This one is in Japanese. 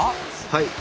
はい。